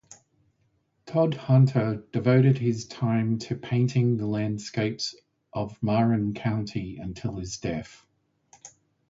Todhunter devoted his time to painting the landscapes of Marin County until his death.